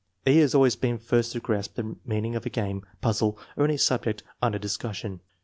E. has always been first to grasp the meaning of a game, puzzle, or any subject under dis cussion.